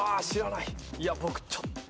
いや僕ちょっと。